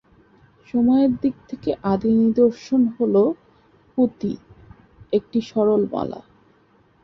সময়ের দিক থেকে আদি নিদর্শন হলো পুঁতির একটি সরল মালা।